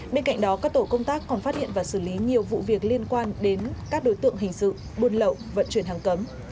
bên cạnh đó các tổ công tác còn phát hiện và xử lý nhiều vụ việc liên quan đến các đối tượng hình sự buôn lậu vận chuyển hàng cấm